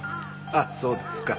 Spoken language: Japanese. ああそうですか。